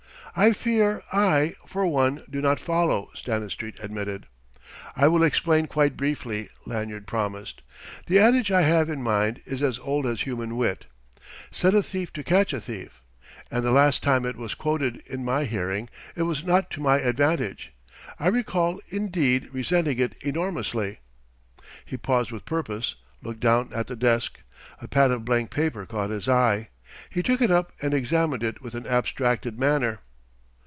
"I fear I, for one, do not follow," Stanistreet admitted. "I will explain quite briefly," Lanyard promised. "The adage I have in mind is as old as human wit: Set a thief to catch a thief. And the last time it was quoted in my hearing, it was not to my advantage. I recall, indeed, resenting it enormously." He paused with purpose, looking down at the desk. A pad of blank paper caught his eye. He took it up and examined it with an abstracted manner.